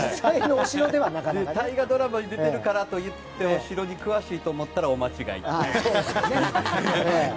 大河ドラマに出てるからと言ってお城に詳しいと思ったら大間違いっていう。